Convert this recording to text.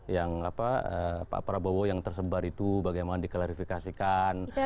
yang pak prabowo yang tersebar itu bagaimana diklarifikasikan